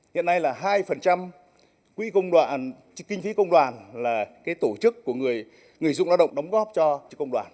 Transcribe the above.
hiện nay là hai kinh phí công đoàn là tổ chức của người dùng lao động đóng góp cho công đoàn